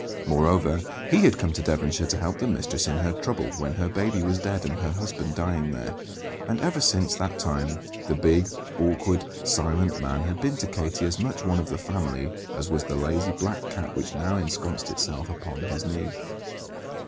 Moreover, he had come to Devonshire to help the mistress in her trouble, when her baby was dead and her husband dying there; and ever since that time the big, awkward, silent man had been to Katie as much "one of the family" as was the lazy black cat which now ensconced itself upon his knee.